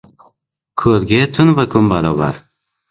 • Ko‘rga tun va kun barobar.